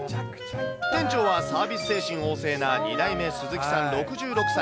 店長はサービス精神旺盛な２代目鈴木さん６６歳。